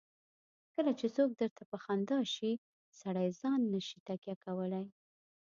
کله چې څوک درته په خندا شي سړی ځان نه شي تکیه کولای.